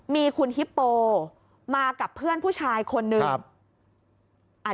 มีคุณฮิปโปมากับเพื่อนผู้ชายคนหนึ่ง